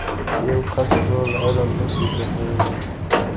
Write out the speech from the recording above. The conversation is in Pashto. یو کس ټول علم نشي زده کولای.